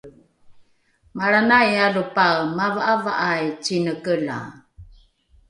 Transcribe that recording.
malranai alopae mava’ava’ai cinekelae